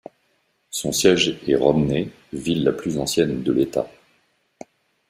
Son siège est Romney, ville la plus ancienne de l’État.